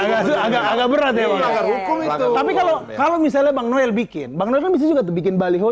hai agak agak berat ya tapi kalau kalau misalnya bang noel bikin bang neng bisa juga bikin baliho